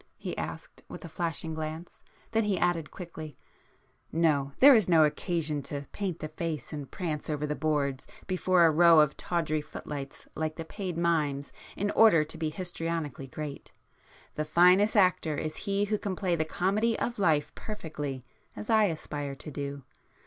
he asked with a flashing glance, then he added quickly—"No,—there is no occasion to paint the face and prance over the boards before a row of tawdry footlights like the paid mimes, in order to be histrionically great. The finest actor is he who can play the comedy of life perfectly, as I aspire to do.